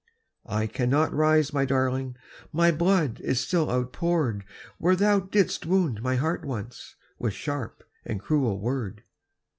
"I cannot rise, my darling, My blood is still outpoured Where thou didst wound my heart once With sharp and cruel word."